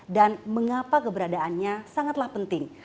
dan mengapa keberadaannya sangatlah penting